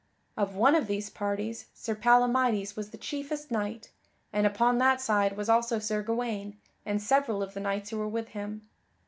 Of one of these parties, Sir Palamydes was the chiefest knight, and upon that side was also Sir Gawaine and several of the knights who were with him.